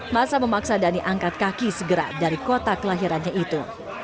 masa memaksa dhani angkat kaki segera dari kota kelahirannya itu